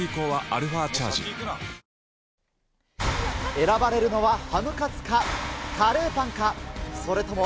選ばれるのはハムカツか、カレーパンか、日本ありがとう。